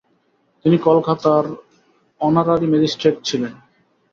তিনি কলকাতার honorary magistrate ছিলেন।